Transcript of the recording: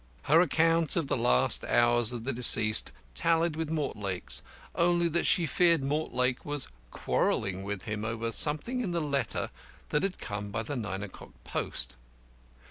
Her account of the last hours of the deceased tallied with Mortlake's, only that she feared Mortlake was quarrelling with him over something in the letter that came by the nine o'clock post.